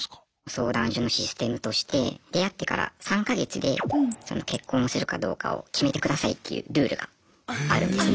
相談所のシステムとして出会ってから３か月で結婚するかどうかを決めてくださいっていうルールがあるんですね。